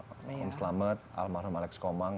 om slamet almarhum alex komang